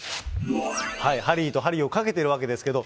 ハリーとハリーをかけているわけなんですけれども。